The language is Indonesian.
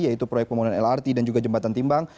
yaitu proyek pembangunan lrt dan juga jembatan timbang